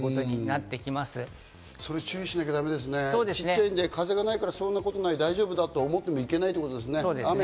ちっちゃいんで、風がないから、そんなことない、大丈夫だと思ってはいけないっていうことですね。